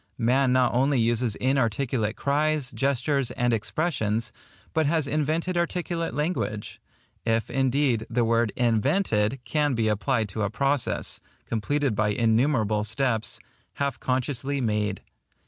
Man not only uses inarticulate cries, gestures, and expressions, but has invented articulate language; if, indeed, the word INVENTED can be applied to a process, completed by innumerable steps, half consciously made.